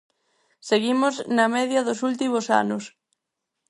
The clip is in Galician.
Seguimos na media dos últimos anos.